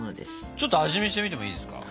ちょっと味見してみてもいいですか？